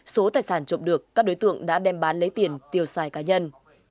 số tài sản trộm được các đối tượng đã đem bán lấy tiền tiêu xài cá nhân